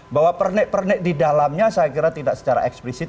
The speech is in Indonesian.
bahwa pernik pernik di dalamnya saya kira tidak secara eksplisit